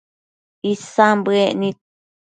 Isan bëec nid